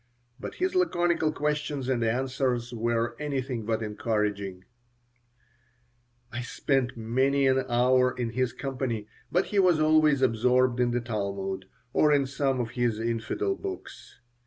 But his laconical questions and answers were anything but encouraging I spent many an hour in his company, but he was always absorbed in the Talmud, or in some of his infidel books.